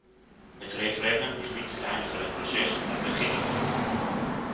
Het referendum is niet het einde van het proces maar het begin ervan.